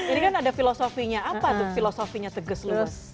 ini kan ada filosofinya apa tuh filosofinya tegas lulus